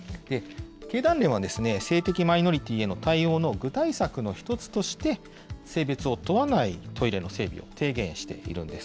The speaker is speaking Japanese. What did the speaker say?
経団連は、性的マイノリティーへの対応の具体策の一つとして、性別を問わないトイレの整備を提言しているんです。